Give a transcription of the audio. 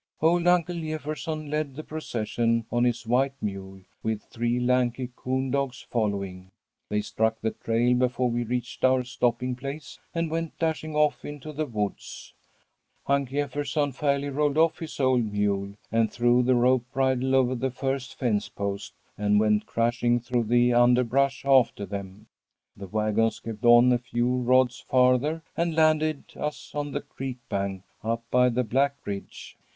"Old Unc' Jefferson led the procession on his white mule, with three lanky coon dogs following. They struck the trail before we reached our stopping place, and went dashing off into the woods. Unc' Jefferson fairly rolled off his old mule, and threw the rope bridle over the first fence post, and went crashing through the underbrush after them. The wagons kept on a few rods farther and landed us on the creek bank, up by the black bridge.